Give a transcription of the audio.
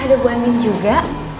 ada bu andien juga